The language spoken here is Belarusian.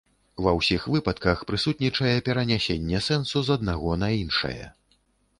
Ва ўсіх выпадках прысутнічае перанясенне сэнсу з аднаго на іншае.